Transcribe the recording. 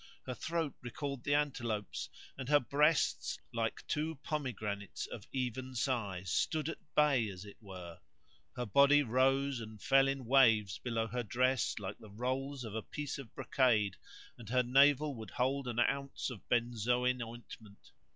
Her throat recalled the antelope's, and her breasts, like two pomegranates of even size, stood at bay as it were,[FN#146] her body rose and fell in waves below her dress like the rolls of a piece of brocade, and her navel[FN#147] would hold an ounce of benzoin ointment.